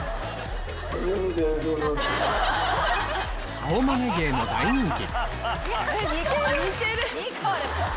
顔マネ芸も大人気！